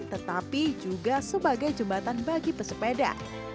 tetapi juga sebagai jembatan bagi pesepeda